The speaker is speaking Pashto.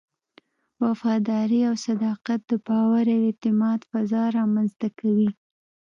وفاداري او صداقت د باور او اعتماد فضا رامنځته کوي.